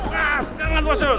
pasti tahu bos jun